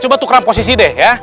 coba tukram posisi deh ya